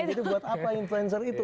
buat apa influencer itu